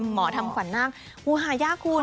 เหมาะทำขวานน้างโอ้วฮาอยากคุณ